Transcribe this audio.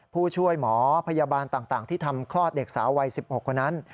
ผู้ช่วยหมอพยาบาลต่างที่ทำคลอดเด็กสาววัย๑๖คนนั้น